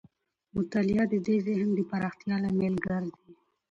مطالعه د ذهن د پراختیا لامل ګرځي.